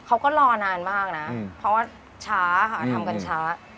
เขาก็รอนานมากนะเพราะว่าช้าค่ะทำกันช้า